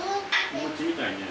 お餅みたいね。